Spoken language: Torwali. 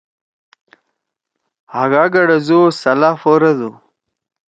ہاگا گڑَزُو او سلا پھورَدُو۔